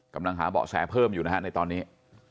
กำลังหาเบาะแสเพิ่มอยู่นะฮะในตอนนี้